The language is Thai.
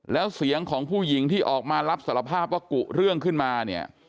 แล้วเสียงของผู้หญิงที่ออกมารับสารภาพว่ากุเรื่องขึ้นมาเนี่ย